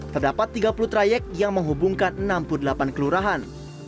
terdapat tiga puluh trayek yang menghubungkan enam puluh delapan kelurahan